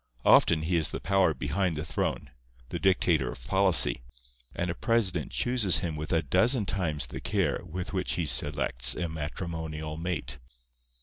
Often he is the power behind the throne, the dictator of policy; and a president chooses him with a dozen times the care with which he selects a matrimonial mate.